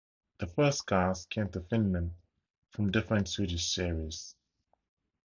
The first cars came to Finland from defunct Swedish series.